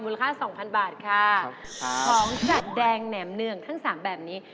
ค่าสองพันบาทค่ะของสัตว์แดงแหนมเนืองทั้งสามแบบนี้